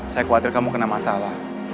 saya khawatir kamu kena masalah